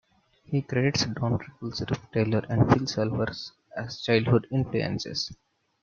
He credits Don Rickles, Rip Taylor, and Phil Silvers as childhood influences.